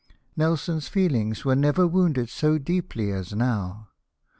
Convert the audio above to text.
Nelson's feelings were never wounded so deeply as now.